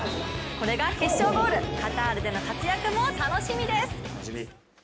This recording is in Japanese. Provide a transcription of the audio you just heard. これが決勝ゴール、カタールでの活躍も楽しみです。